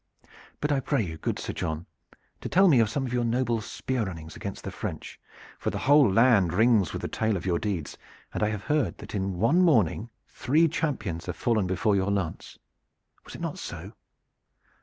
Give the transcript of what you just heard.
But I pray you, good Sir John, to tell me of some of your noble spear runnings against the French, for the whole land rings with the tale of your deeds and I have heard that in one morning three champions have fallen before your lance. Was it not so?"